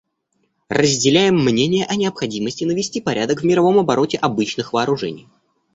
Разделяем мнение о необходимости навести порядок в мировом обороте обычных вооружений.